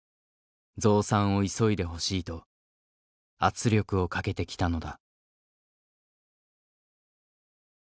増産を急いでほしい」と圧力をかけてきたのだ。